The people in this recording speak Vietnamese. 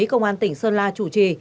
công an tỉnh sơn la chủ trì